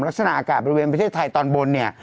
ลักษณะอากาศบริเวณประเทศไทยตอนบนเนี่ย